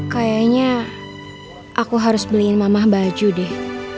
kayaknya aku harus beliin mamah baju deh